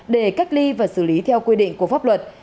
để cách ly và xử lý theo quy định của pháp luật